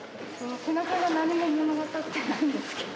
背中が何も物語ってないんですけど。